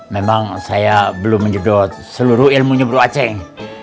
memang saya belum menyedot seluruh ilmunya bro aceh